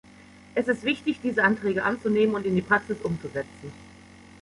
Es ist wichtig, diese Anträge anzunehmen und in die Praxis umzusetzen.